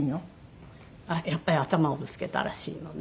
やっぱり頭をぶつけたらしいのね。